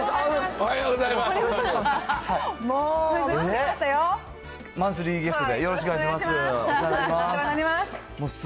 おはようございます。